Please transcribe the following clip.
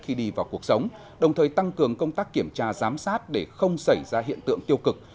khi đi vào cuộc sống đồng thời tăng cường công tác kiểm tra giám sát để không xảy ra hiện tượng tiêu cực